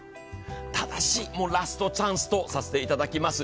ただし、ラストチャンスとさせていただきます。